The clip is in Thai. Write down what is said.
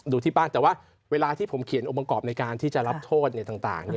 ดูที่บ้านแต่ว่าเวลาที่ผมเขียนองค์ประกอบในการที่จะรับโทษต่าง